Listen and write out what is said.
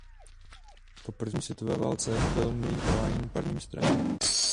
Po první světové válce byl mlýn poháněn parním strojem.